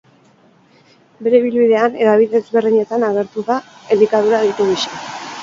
Bere ibilbidean, hedabide ezberdinetan agertu da elikaduran aditu gisa.